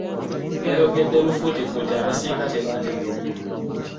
Yayogedde lufuutifuuti abasinga tebaategedde.